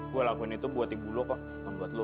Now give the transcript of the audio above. gue lakuin itu buat ibu lo kok membuat lo